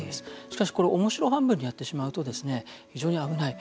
しかし、これおもしろ半分にやってしまうと、非常に危ない。